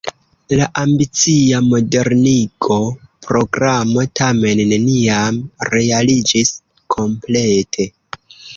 La ambicia modernigo-programo tamen neniam realiĝis komplete.